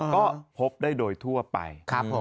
ก็พบได้โดยทั่วไป